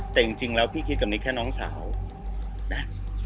แต่จริงแล้วพี่คิดกับนิกแค่น้องสาวนะ